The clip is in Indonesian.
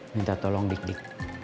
minta tolong dik dik